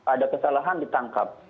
ada kesalahan ditangkap